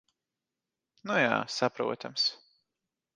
Nu ja. Saprotams.